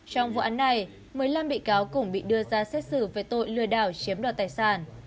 trong vụ án này một mươi năm bị cáo cũng bị đưa ra xét xử về tội lừa đảo chiếm đoạt tài sản